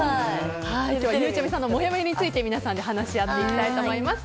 今日はゆうちゃみさんのもやもやについて皆さんで話し合っていきたいと思います。